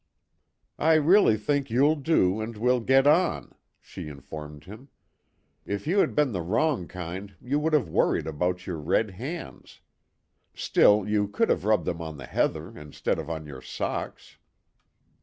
"I really think you'll do, and we'll get on," she informed him. "If you had been the wrong kind you would have worried about your red hands. Still, you could have rubbed them on the heather, instead of on your socks."